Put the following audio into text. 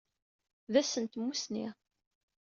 D ass n tmussni.